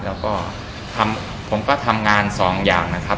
แล้วก็ผมก็ทำงานสองอย่างนะครับ